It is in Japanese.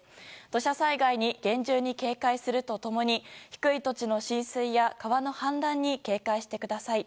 土砂災害に厳重な警戒をすると共に低い土地の浸水や川の氾濫に警戒してください。